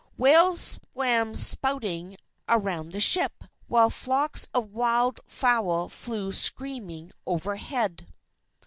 Whales swam spouting around the ship, while flocks of wild fowl flew screaming overhead.